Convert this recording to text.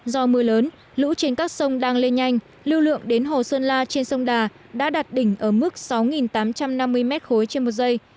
do mưa lớn lũ trên các sông đang lên nhanh lưu lượng đến hồ sơn la trên sông đà đã đạt đỉnh ở mức sáu tám trăm năm mươi m ba trên một giây